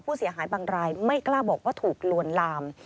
ผู้เสียหายบางรายไม่กล้าบอกว่าถูกลวนลาม